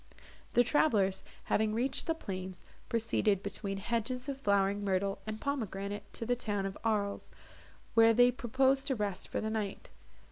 The travellers, having reached the plains, proceeded, between hedges of flowering myrtle and pomegranate, to the town of Arles, where they proposed to rest for the night.